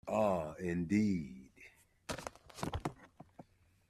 Ah, indeed.